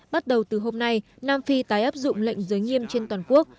bắt đầu từ hôm nay nam phi tái áp dụng lệnh giới nghiêm trên toàn quốc